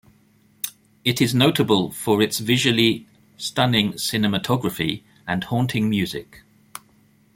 It is notable for its "visually stunning cinematography and haunting music".